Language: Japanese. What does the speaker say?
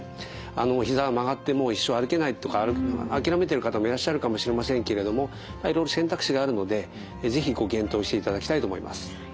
おひざが曲がってもう一生歩けないとか諦めている方もいらっしゃるかもしれませんけれどもいろいろ選択肢があるので是非ご検討していただきたいと思います。